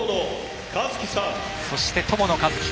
そして、友野一希。